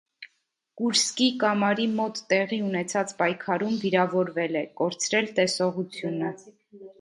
Կուրսկի կամարի մոտ տեղի ունեցած պայքարում վիրավորվել է, կորցրել տեսողությունը։